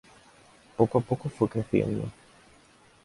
Poco a poco fue creciendo.